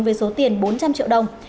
với số tiền bốn trăm linh triệu đồng